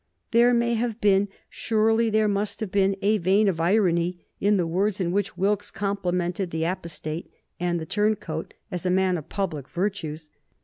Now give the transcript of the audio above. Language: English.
There may have been, surely there must have been, a vein of irony in the words in which Wilkes complimented the apostate and the turncoat as a man of public virtues.